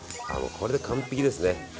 これで完璧ですね。